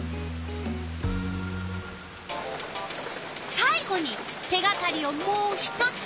さい後に手がかりをもう一つ。